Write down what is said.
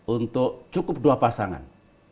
untuk cukup dua pasangan